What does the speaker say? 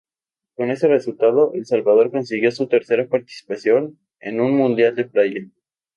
Con este resultado, El Salvador consiguió su tercera participación en un mundial de playa.